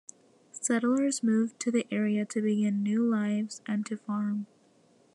Settlers moved to the area to begin new lives and to farm.